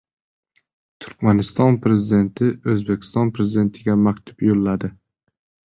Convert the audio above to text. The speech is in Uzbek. Turkmaniston Prezidenti O‘zbekiston Prezidentiga maktub yo‘lladi